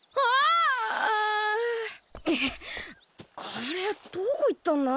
あれどこ行ったんだ？